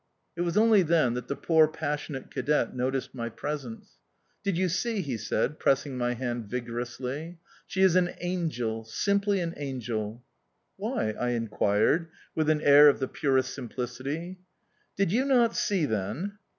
It was only then that the poor, passionate cadet noticed my presence. "Did you see?" he said, pressing my hand vigorously. "She is an angel, simply an angel!" "Why?" I inquired, with an air of the purest simplicity. "Did you not see, then?"